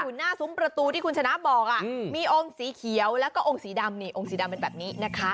อยู่หน้าซุ้มประตูที่คุณชนะบอกมีองค์สีเขียวแล้วก็องค์สีดำนี่องค์สีดำเป็นแบบนี้นะคะ